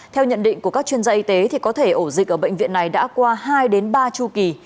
theo nhận định của các chuyên gia y tế có thể ổ dịch ở bệnh viện này đã qua hai ba chu kỳ